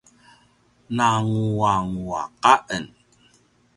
nanguanguaq a en